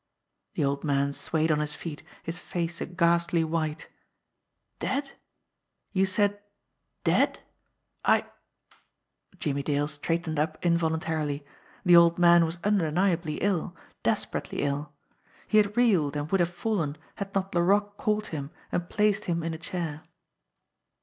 The old man swayed on his feet, his face a ghastly white. "Dead ! You said dead ? I " 24 JIMMIE DALE AND THE PHANTOM CLUE Jimmie Dale straightened up involuntarily. The old man was undeniably ill, desperately ill. He had reeled and would have fallen had not Laroque caught him and placed him in a* chair.